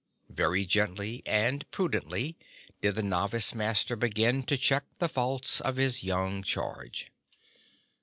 Very gently and prudently did the Novice Master begin to check the faults of his young charge.